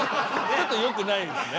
ちょっとよくないですね。